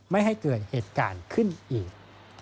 ไม่ให้เกิดเหตุการณ์ขึ้นอีก